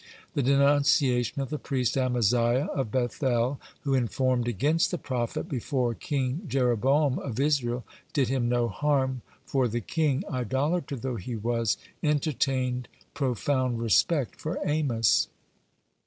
The denunciation of the priest Amaziah, of Beth el, who informed against the prophet before King Jeroboam of Israel, did him no harm, for the king, idolater though he was, entertained profound respect for Amos.